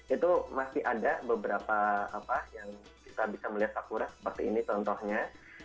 itu masih ada beberapa apa yang kita bisa melihat akurat seperti ini contohnya